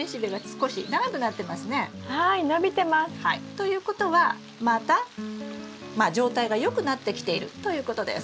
ということはまた状態が良くなってきているということです。